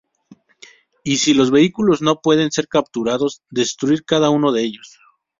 Y si los vehículos no pueden ser capturados, destruir cada uno de ellos.